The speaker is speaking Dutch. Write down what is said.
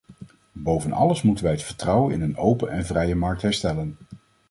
Boven alles moeten wij het vertrouwen in een open en vrije markt herstellen.